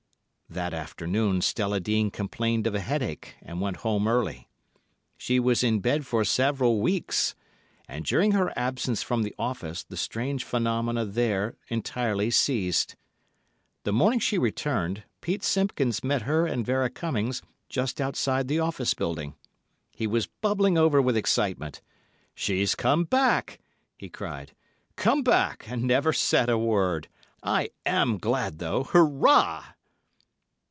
That afternoon Stella Dean complained of a headache and went home early. She was in bed for several weeks, and during her absence from the office the strange phenomena there entirely ceased. The morning she returned, Pete Simpkins met her and Vera Cummings just outside the office building. He was bubbling over with excitement. "She's come back!" he cried. "Come back, and never sent me a word. I am glad though.... Hoorah!"